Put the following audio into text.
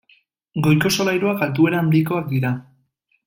Goiko solairuak altuera handikoak dira.